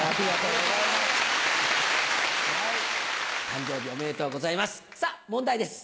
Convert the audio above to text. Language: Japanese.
誕生日おめでとうございます